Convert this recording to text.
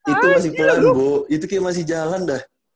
itu masih pelan bu itu kayak masih jalan dah